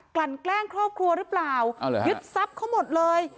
ลั่นแกล้งครอบครัวหรือเปล่ายึดทรัพย์เขาหมดเลย